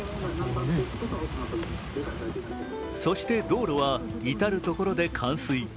そして道路は至るところで冠水。